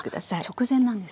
直前なんですね。